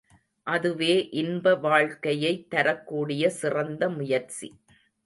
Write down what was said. அதுவே இன்ப வாழ்க்கையைத் தரக்கூடிய சிறந்த முயற்சி.